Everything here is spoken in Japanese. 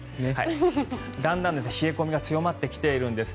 だんだん冷え込みが強まってきているんです。